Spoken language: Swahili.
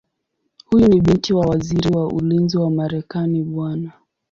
Huyu ni binti wa Waziri wa Ulinzi wa Marekani Bw.